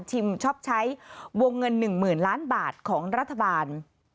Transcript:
ชอบใช้วงเงิน๑๐๐๐ล้านบาทของรัฐบาล